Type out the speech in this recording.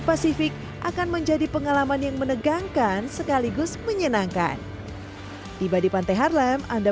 pasifik akan menjadi pengalaman yang menegangkan sekaligus menyenangkan tiba di pantai harlem anda